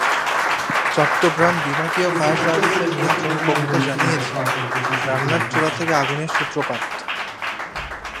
চট্টগ্রাম বিভাগীয় ফায়ার সার্ভিসের নিয়ন্ত্রণ কক্ষ জানিয়েছে, রান্নার চুলা থেকে আগুনের সূত্রপাত।